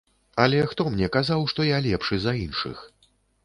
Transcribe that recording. Але хто мне казаў, што я лепшы за іншых?